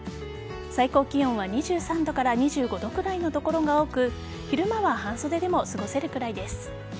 最高気温は２３度から２５度くらいの所が多く昼間は半袖でも過ごせるくらいです。